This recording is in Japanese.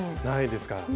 ないですか。